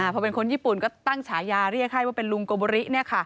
พอเป็นคนญี่ปุ่นก็ตั้งฉายาเรียกให้ว่าเป็นลุงโกบุริ